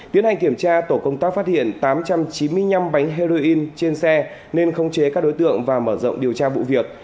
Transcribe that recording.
tiến hành kiểm tra tổ công tác phát hiện tám trăm chín mươi năm bánh heroin trên xe nên không chế các đối tượng và mở rộng điều tra vụ việc